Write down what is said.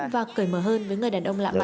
và cởi mở hơn với người đàn ông lạ mặt